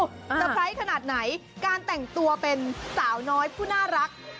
เตอร์ไพรส์ขนาดไหนการแต่งตัวเป็นสาวน้อยผู้น่ารัก